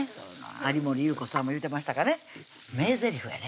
有森裕子さんも言うてましたかね名ゼリフやね